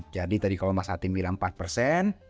jadi tadi kalau mas atim bilang empat